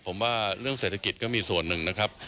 ผมว่าเรื่องเศรษฐกิจก็มีส่วนหนึ่งนะครับ